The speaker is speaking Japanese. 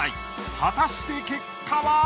果たして結果は？